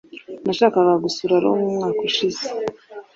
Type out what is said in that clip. Nashakaga gusura Roma umwaka ushize.